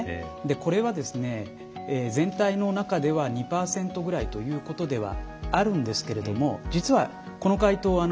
これは全体の中では２％ぐらいということではあるんですけれども実はこの回答